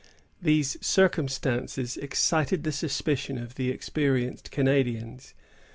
These circumstances excited the suspicion of the experienced Canadians.